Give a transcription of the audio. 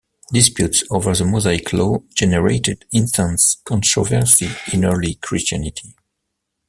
Disputes over the Mosaic law generated intense controversy in early Christianity.